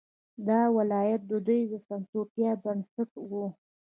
دا ولایت د دوی د سمسورتیا بنسټ وو.